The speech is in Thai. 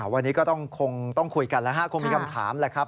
วันนี้ก็คงต้องคุยกันแล้วครับคงมีคำถามเลยครับ